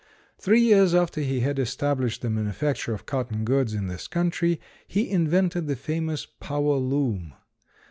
Three years after he had established the manufacture of cotton goods in this country, he invented the famous power loom.